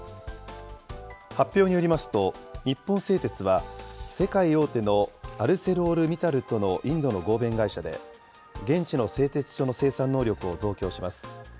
発表によりますと、日本製鉄は世界大手のアルセロール・ミタルとのインドの合弁会社で、現地の製鉄所の生産能力を増強します。